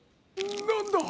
なんだ？